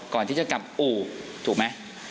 ก่อนที่จะกลับอู่ถูกไหม